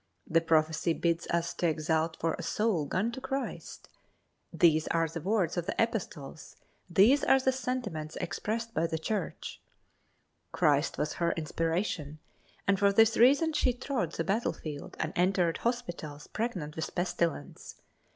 That prophecy bids us to exult for a soul gone to Christ. These are the words of the epistles, these are the sentiments expressed by the Church. Christ was her inspiration, and for this reason she trod the battlefield and entered hospitals pregnant with pestilence.